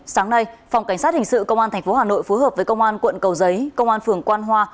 sáng nay phòng cảnh sát hình sự công an tp hà nội phối hợp với công an quận cầu giấy công an phường quan hoa